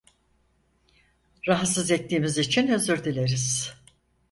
Rahatsız ettiğimiz için özür dileriz.